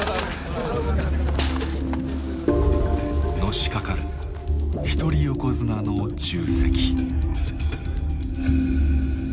のしかかる一人横綱の重責。